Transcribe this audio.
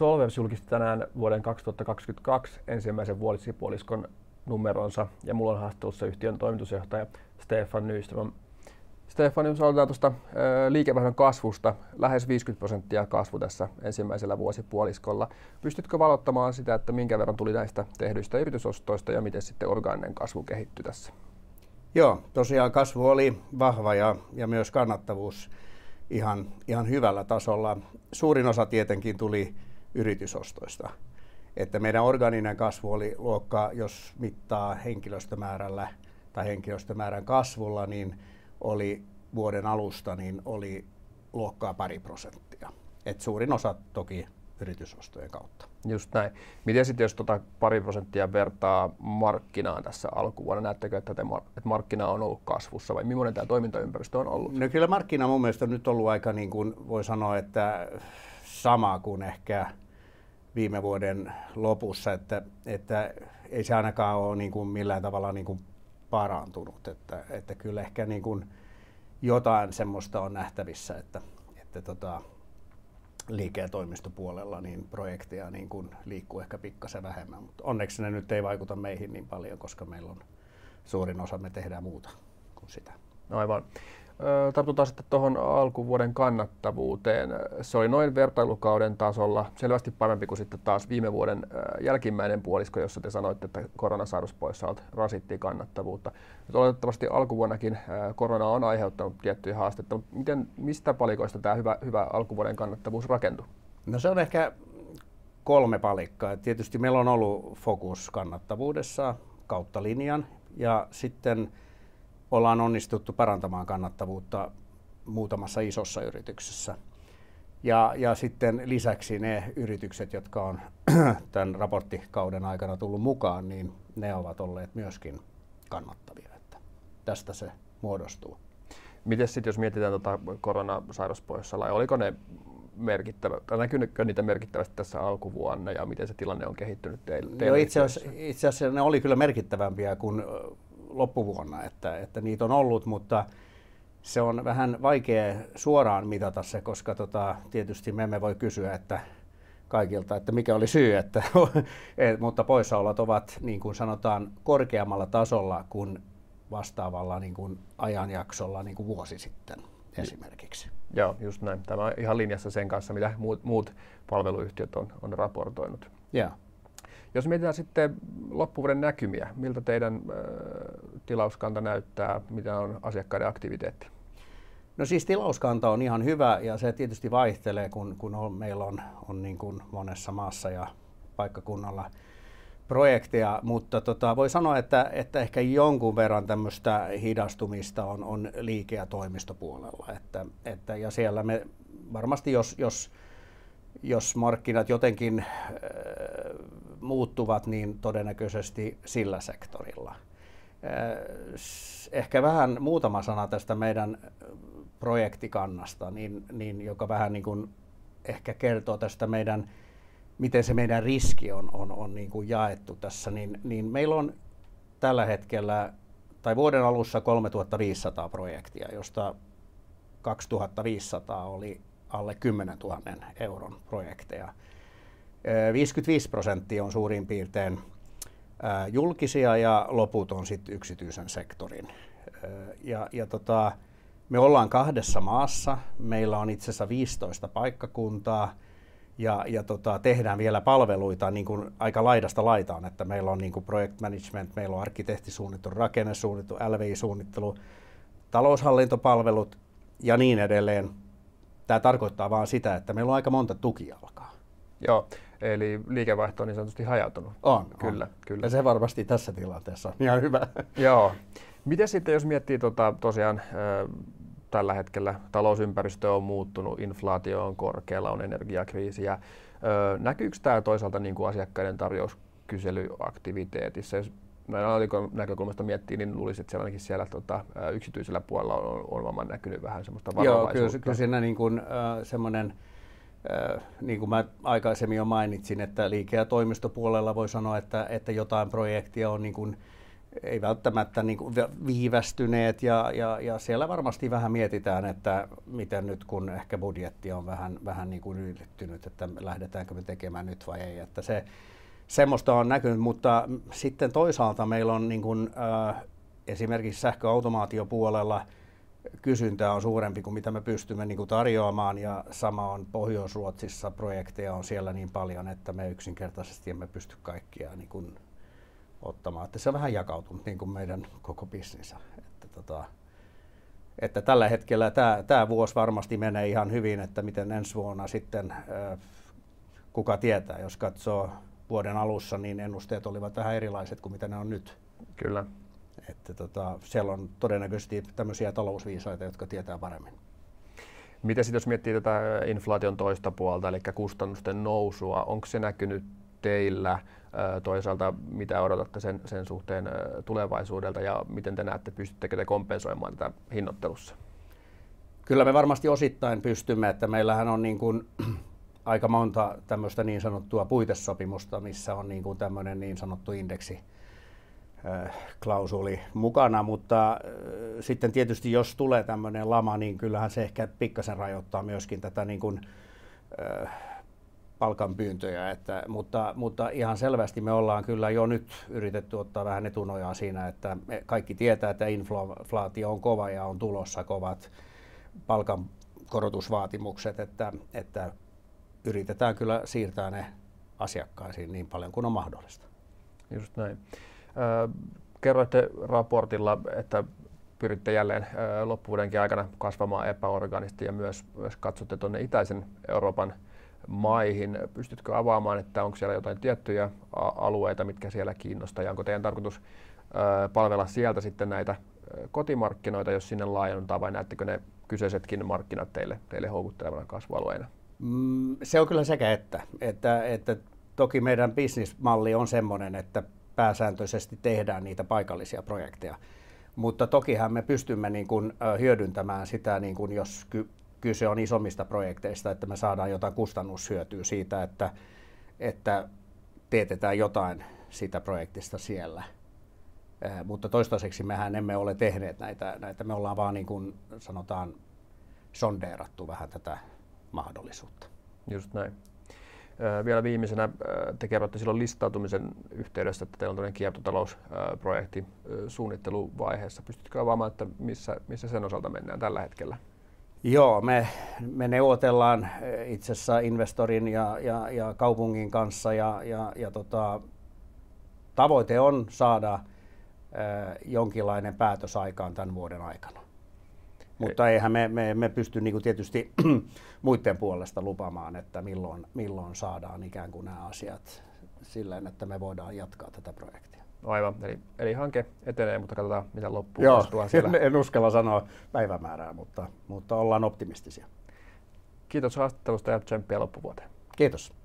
Solwers julkisti tänään vuoden 2022 ensimmäisen vuosipuoliskon numeronsa, ja mul on haastattelussa yhtiön toimitusjohtaja Stefan Nyström. Stefan, jos aloitetaan tuosta liikevaihdon kasvusta. Lähes 50% kasvu tässä ensimmäisellä vuosipuoliskolla. Pystytkö valottamaan sitä, että minkä verran tuli näistä tehdyistä yritysostoista ja mitä sitten orgaaninen kasvu kehittyi tässä? Joo, tosiaan kasvu oli vahva ja myös kannattavuus ihan hyvällä tasolla. Suurin osa tietenkin tuli yritysostoista, että meidän orgaaninen kasvu oli luokkaa jos mittaa henkilöstömäärällä tai henkilöstömäärän kasvulla, niin oli vuoden alusta luokkaa pari %. Suurin osa toki yritysostojen kautta. Just näin. Miten sit jos pari prosenttia vertaa markkinaan tässä alkuvuonna? Näettekö että se markkina on ollut kasvussa vai mimmonen tämä toimintaympäristö on ollut? Kyllä markkina mun mielestä on nyt ollut aika niin kun voi sanoa, että sama kuin ehkä viime vuoden lopussa, että ei se ainakaan ole niin kun millään tavalla niin kun parantunut. Kyllä ehkä niin kun jotain semmoista on nähtävissä, että tota liike- ja toimistopuolella niin projekteja niin kun liikkuu ehkä pikkuisen vähemmän, mutta onneksi se nyt ei vaikuta meihin niin paljon, koska meillä on suurin osa me teemme muuta kuin sitä. Aivan. Tartutaan sitten tuohon alkuvuoden kannattavuuteen. Se oli noin vertailukauden tasolla selvästi parempi kuin sitten taas viime vuoden jälkimmäinen puolisko, jossa te sanoitte, että koronasairauspoissaolot rasitti kannattavuutta. Toivottavasti alkuvuonnakin korona on aiheuttanut tiettyjä haasteita, mutta miten, mistä palikoista tämä hyvä alkuvuoden kannattavuus rakentuu? No, se on ehkä kolme palikkaa. Että tietysti meillä on ollut fokus kannattavuudessa kautta linjan, ja sitten ollaan onnistuttu parantamaan kannattavuutta muutamassa isossa yrityksessä. Lisäksi ne yritykset, jotka on tämän raporttikauden aikana tulleet mukaan, niin ne ovat olleet myöskin kannattavia, että tästä se muodostuu. Mites sit jos mietitään tota koronasairauspoissaoloja, oliko ne merkittävä, näkyykö niitä merkittävästi tässä alkuvuonna ja miten se tilanne on kehittynyt teidän? Itse asiassa ne oli kyllä merkittävämpiä kuin loppuvuonna, että niitä on ollut, mutta se on vähän vaikeaa suoraan mitata se, koska tietysti me emme voi kysyä kaikilta, että mikä oli syy, mutta poissaolot ovat niin kuin sanotaan korkeammalla tasolla kuin vastaavalla ajanjaksolla niin kuin vuosi sitten esimerkiksi. Joo just näin. Tää on ihan linjassa sen kanssa, mitä muut palveluyhtiöt on raportoinut. Joo. Jos mietitään sitten loppuvuoden näkymiä, miltä teidän tilauskanta näyttää? Miten on asiakkaiden aktiviteetti? Tilauskanta on ihan hyvä ja se tietysti vaihtelee, kun meillä on niinkun monessa maassa ja paikkakunnalla projekteja. Voi sanoa, että ehkä jonkun verran tällaisesta hidastumisesta on liike- ja toimistopuolella, ja siellä me varmasti jos markkinat jotenkin muuttuvat, niin todennäköisesti sillä sektorilla. Ehkä vähän muutama sana tästä meidän projektikannasta, joka vähän niinkun kertoo siitä miten meidän riski on jaettu, niin meillä on tällä hetkellä tai vuoden alussa 3,500 projektia, joista 2,500 oli alle 10,000 EUR:n projekteja. 55% on suurin piirtein julkisia ja loput on sitten yksityisen sektorin. Me ollaan kahdessa maassa. Meillä on itse asiassa 15 paikkakuntaa ja tehdään vielä palveluita niinkuin aika laidasta laitaan, että meillä on niin kuin project management, meillä on arkkitehtisuunnittelu, rakennesuunnittelu, LVI-suunnittelu, taloushallintopalvelut ja niin edelleen. Tämä tarkoittaa vaan sitä, että meillä on aika monta tukijalkaa. Joo, eli liikevaihto on niin sanotusti hajautunut. On kyllä. Kyllä se varmasti tässä tilanteessa on ihan hyvä. Joo. Mites sitten jos miettii tota tosiaan tällä hetkellä talousympäristö on muuttunut, inflaatio on korkeella, on energiakriisiä. Näkyykö tää toisaalta niinku asiakkaiden tarjouskyselyaktiviteetissa? Jos näin asiakkaan näkökulmasta miettii, niin luulis että se ainakin siellä tota yksityisellä puolella on varmaan nähnyt vähän semmoista varovaisuutta. Joo kyl siinä niinkun semmonen niinkuin mä aikasemmin jo mainitsin, että liike- ja toimistopuolella voi sanoa että jotain projektia on niin kun ei välttämättä niinkuin viivästyneet. Siellä varmasti vähän mietitään, että miten nyt kun ehkä budjetti on vähän niinkun ylittynyt, että lähdetäänkö me tekemään nyt vai ei. Että se semmosta on nähty. Sitten toisaalta meillä on esimerkiksi sähköautomaatiopuolella kysyntä on suurempi kuin mitä me pystymme niinkuin tarjoamaan ja sama on Pohjois-Ruotsissa. Projekteja on siellä niin paljon, että me yksinkertasesti emme pysty kaikkia niinkuin ottamaan. Että se vähän jakautuu niinkuin meidän koko bisnes. Että tällä hetkellä tämä vuosi varmasti menee ihan hyvin. Että miten ensi vuonna sitten kuka tietää. Jos katsoo vuoden alussa niin ennusteet olivat vähän erilaiset kuin mitä ne on nyt. Kyllä. Että tota siellä on todennäköisesti tällaisia talousviisaita, jotka tietää paremmin. Mitä sit jos miettii tätä inflaation toista puolta elikkä kustannusten nousua, onks se näkyny teillä? Toisaalta mitä odotatte sen suhteen tulevaisuudelta ja miten te näette, pystyttekö te kompensoimaan tätä hinnoittelussa? Kyllä me varmasti osittain pystymme, että meillähän on niinkun aika monta tämmöstä niin sanottua puitesopimusta, missä on niinku tämmönen niin sanottu indeksiklausuuli mukana, mutta sitten tietysti jos tulee tämmönen lama, niin kyllähän se ehkä pikkasen rajoittaa myöskin tätä niinkun palkanpyyntöjä, että mutta ihan selvästi me ollaan kyllä jo nyt yritetty ottaa vähän etunojaa siinä, että kaikki tietää, että inflaatio on kova ja on tulossa kovat palkankorotusvaatimukset, että yritetään kyllä siirtää ne asiakkaisiin niin paljon kuin on mahdollista. Just näin. Kerroitte raportilla, että pyritte jälleen loppuvuodenkin aikana kasvamaan epäorgaanisesti ja myös katsotte tuonne itäisen Euroopan maihin. Pystytkö avaamaan, että onko siellä jotain tiettyjä alueita mitkä siellä kiinnostaa ja onko teidän tarkoitus palvella sieltä sitten näitä kotimarkkinoita jos sinne laajennutaan? Vai näettekö ne kyseisetkin markkinat teille houkuttelevana kasvualueena? Se on kyllä sekä että toki meidän bisnesmalli on semmonen, että pääsääntöisesti tehdään niitä paikallisia projekteja. Tokihan me pystymme niinkun hyödyntämään sitä, niinkun jos kyse on isommista projekteista, että me saadaan jotain kustannushyötyä siitä, että teetetään jotain siitä projektista siellä. Toistaiseksi mehän emme ole tehneet näitä. Me ollaan vaan niinkun sanotaan sondeerattu vähän tätä mahdollisuutta. Just näin. Vielä viimeisenä. Te kerroitte silloin listautumisen yhteydessä, että teillä on tämmönen kiertotalous-projekti suunnitteluvaiheessa. Pystytkö avaamaan, että missä sen osalta mennään tällä hetkellä? Joo me neuvotellaan itse asiassa investorin ja kaupungin kanssa ja tavoite on saada jonkinlainen päätös aikaan tän vuoden aikana. Eihän me pysty niinku tietysti muitten puolesta lupamaan, että millon saadaan ikään kun nää asiat silleen, että me voidaan jatkaa tätä projektia. Aivan. Eli hanke etenee, mutta katotaan mitä loppuvuodesta tulee. Joo en uskalla sanoa päivämäärää, mutta ollaan optimistisia. Kiitos haastattelusta ja tsemppiä loppuvuoteen. Kiitos!